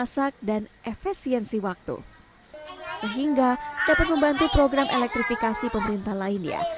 sehingga dapat membantu program elektrifikasi pemerintah lainnya